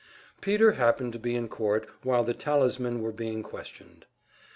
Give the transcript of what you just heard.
Peter happened to be in court while the talesmen were being questioned.